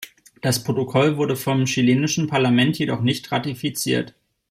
Das Protokoll wurde vom chilenischen Parlament jedoch nicht ratifiziert.